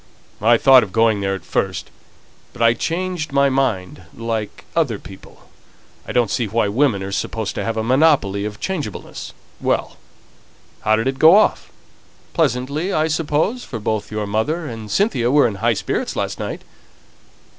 "I thought of going there at first; but I changed my mind like other people. I don't see why women are to have a monopoly of changeableness. Well! how did it go off? Pleasantly, I suppose, for both your mother and Cynthia were in high spirits last night."